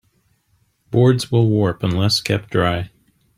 Boards will warp unless kept dry.